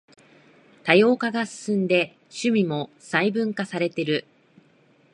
多様化が進んで趣味も細分化されてる